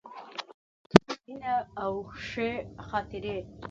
مینه او ښې خاطرې.